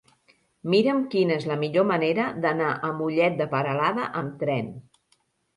Mira'm quina és la millor manera d'anar a Mollet de Peralada amb tren.